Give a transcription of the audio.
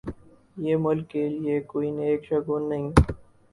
یہ ملک کے لئے کوئی نیک شگون نہیں۔